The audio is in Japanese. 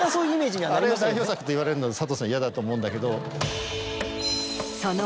あれ代表作っていわれるのは佐藤さん嫌だと思うんだけど。